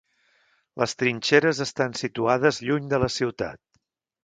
Les trinxeres estan situades lluny de la ciutat.